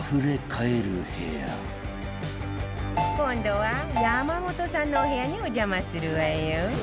今度は山本さんのお部屋にお邪魔するわよ